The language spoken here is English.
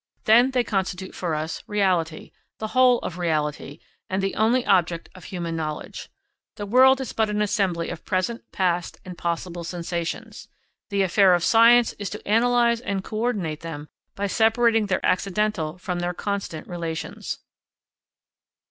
Then they constitute for us reality, the whole of reality and the only object of human knowledge. The world is but an assembly of present, past, and possible sensations; the affair of science is to analyse and co ordinate them by separating their accidental from their constant relations.